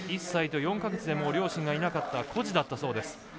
１歳と４か月で両親がいなかった孤児だったそうです。